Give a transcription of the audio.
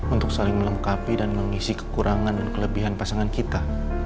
untuk saling melengkapi dan mengisi kekurangan dan kelebihan pasangan kita